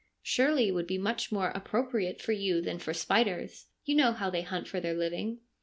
' Surely, it would be much more appropriate for you than for spiders. You know how they hunt for their living.